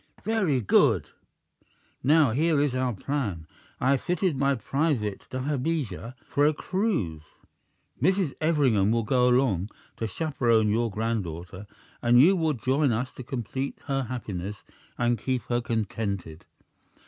"Very good! Now, here is our plan. I have fitted my private dahabeah for a cruise. Mrs. Everingham will go along to chaperone your granddaughter, and you will join us to complete her happiness and keep her contented.